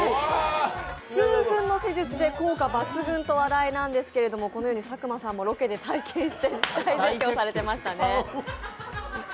数分の施術で効果抜群と話題なんですけれどもこのように佐久間さんもロケで体験されて大絶叫されてましたね。